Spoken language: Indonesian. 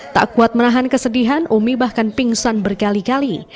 tak kuat menahan kesedihan umi bahkan pingsan berkali kali